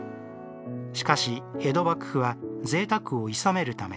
しかし、江戸幕府はぜいたくをいさめるため